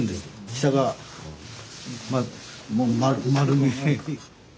下がもう丸見え。